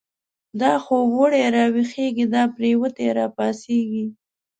دا خوب و ړی را ویښیږی، دا پریوتی را پاڅیږی